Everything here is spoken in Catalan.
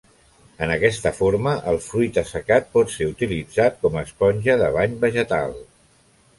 En aquesta forma el fruit assecat pot ser utilitzat com a esponja de bany vegetal.